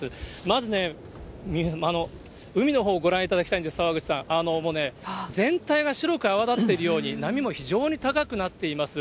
まずね、海のほうご覧いただきたいんです、澤口さん、もうね、全体が白く泡立っているように、波も非常に高くなっています。